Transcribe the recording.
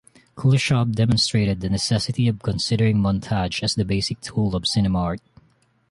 Kuleshov demonstrated the necessity of considering montage as the basic tool of cinema art.